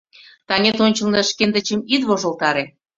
Таҥет ончылно шкендычым ит вожылтаре.